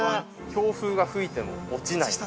◆強風が吹いても落ちない。